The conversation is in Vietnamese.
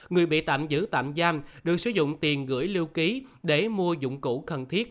người bị tạm giữ tạm giam được sử dụng tiền gửi lưu ký để mua dụng cụ cần thiết